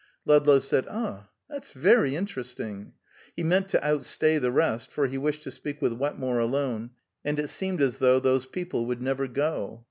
Ludlow said, "Ah, that's very interesting." He meant to outstay the rest, for he wished to speak with Wetmore alone, and it seemed as though those people would never go.